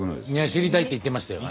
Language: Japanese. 知りたいって言ってましたよ